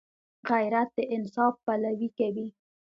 غیرت د انصاف پلوي کوي